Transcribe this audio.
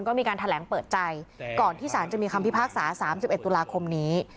ก็มีการแทนแหลงเปิดใจก่อนที่สารจะมีคำพิพากษาสามสิบเอ็ดตุลาคมนี้